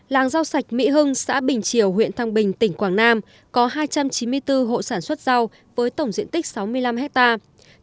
làng rau sạch mỹ hưng xã bình triều huyện thăng bình tỉnh quảng nam có hai trăm chín mươi bốn hộ sản xuất rau với tổng diện tích sáu mươi năm hectare